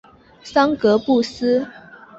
桑格布斯。